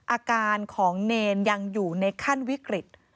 อาการของเนรยังอยู่ในขั้นวิกฤต